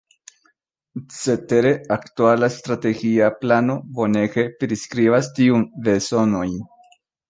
Cetere, aktuala Strategia Plano bonege priskribas tiun bezonojn.